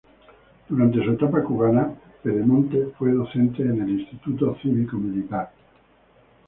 Durante su etapa cubana, Pedemonte fue docente en el Instituto Cívico Militar.